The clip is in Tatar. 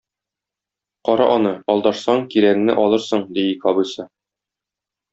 Кара аны, алдашсаң, кирәгеңне алырсың, - ди ике абыйсы.